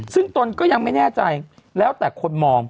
ซึ่งตนก็ยังไม่แน่ใจแล้วแต่คนมอง